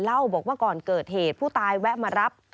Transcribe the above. เล่าบอกว่าก่อนเกิดเหตุผู้ตายแวะมารับ